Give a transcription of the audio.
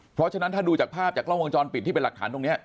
เพราะฉะนั้นถ้าดูจากภาพจากกล้องวงจรปิดที่เป็นหลักฐานตรงนี้